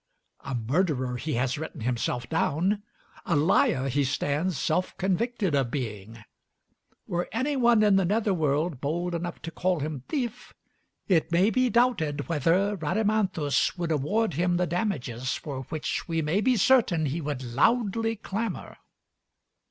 A murderer he has written himself down. A liar he stands self convicted of being. Were any one in the nether world bold enough to call him thief, it may be doubted whether Rhadamanthus would award him the damages for which we may be certain he would loudly clamor.